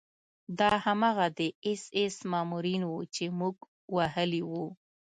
دا هماغه د اېس ایس مامورین وو چې موږ وهلي وو